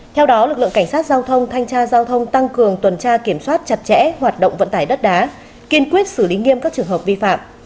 theo đó lực lượng cảnh sát giao thông thanh tra giao thông tăng cường tuần tra kiểm soát chặt chẽ hoạt động vận tải đất đá kiên quyết xử lý nghiêm các trường hợp vi phạm